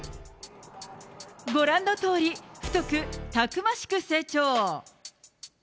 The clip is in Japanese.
ご覧のとおり、太くたくましく成長。